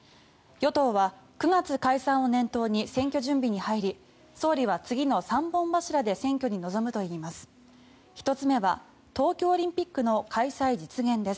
与党は９月解散を念頭に選挙準備に入り総理は次の３本柱で選挙に臨むといいます。